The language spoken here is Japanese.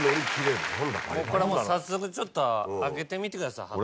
これはもう早速ちょっと開けてみてください箱。